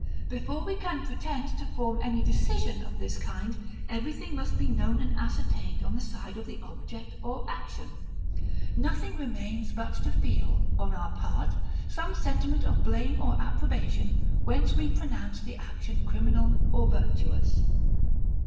Before we can pretend to form any decision of this kind, everything must be known and ascertained on the side of the object or action. Nothing remains but to feel, on our part, some sentiment of blame or approbation; whence we pronounce the action criminal or virtuous.